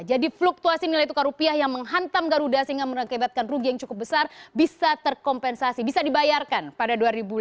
jadi fluktuasi nilai tukar rupiah yang menghantam garuda sehingga menyebabkan rugi yang cukup besar bisa terkompensasi bisa dibayarkan pada dua ribu lima belas